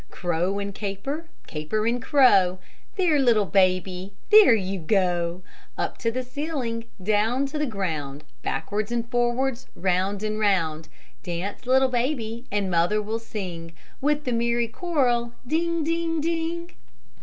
Crow and caper, caper and crow, There, little Baby, there you go! Up to the ceiling, down to the ground, Backwards and forwards, round and round; Dance, little Baby and Mother will sing, With the merry coral, ding, ding, ding!